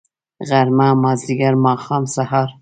غرمه . مازدیګر . ماښام .. سهار